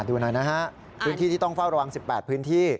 ดูหน่อยนะฮะพื้นที่ที่ต้องเฝ้าระวัง๑๘พื้นที่